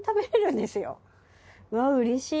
うわうれしい。